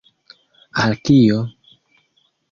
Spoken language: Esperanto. Al kio?